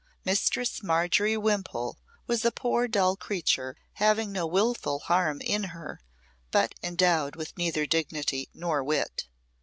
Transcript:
Mistress Margery Wimpole was a poor, dull creature, having no wilful harm in her, but endowed with neither dignity nor wit.